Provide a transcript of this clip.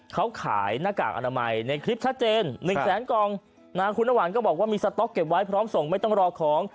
เขาขายหน้ากากอนามัยในคลิปชัดเจนหนึ่งแสนกล่องนะคุณน้ำหวานก็บอกว่ามีสต๊อกเก็บไว้พร้อมส่งไม่ต้องรอของ